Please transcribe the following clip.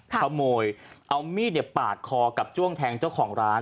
ขโมยเอามีดปาดคอกับจ้วงแทงเจ้าของร้าน